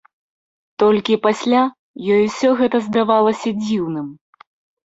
Толькі пасля ёй усё гэта здавалася дзіўным.